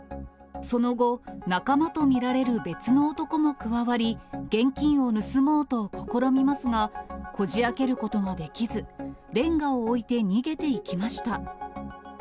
その後、仲間と見られる別の男も加わり、現金を盗もうと試みますが、こじあけることができず、レンガを置いて逃げていきました。